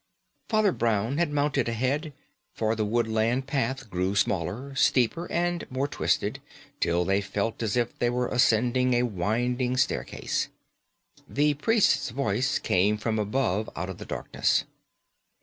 Father Brown had mounted ahead; for the woodland path grew smaller, steeper, and more twisted, till they felt as if they were ascending a winding staircase. The priest's voice came from above out of the darkness.